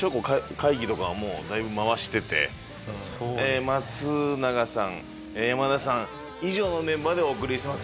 会議とかはだいぶ回してて「マツナガさんヤマダさん以上のメンバーでお送りしてます」。